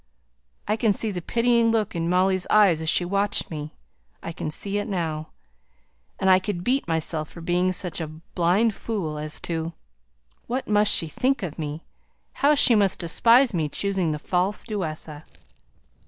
I can see the pitying look in Molly's eyes as she watched me; I can see it now. And I could beat myself for being such a blind fool as to What must she think of me? how she must despise me, choosing the false Duessa."